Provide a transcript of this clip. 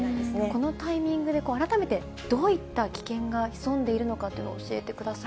このタイミングで、改めてどういった危険が潜んでいるのかというのを教えてください。